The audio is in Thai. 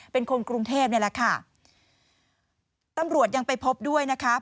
เป็นคนกรุงเทพนี่แหละค่ะตำรวจยังไปพบด้วยนะคะ